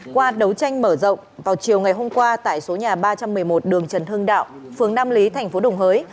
qua đấu tranh mở rộng vào chiều ngày hôm qua tại số nhà ba trăm một mươi một đường trần hưng đạo phường nam lý thành phố đồng hới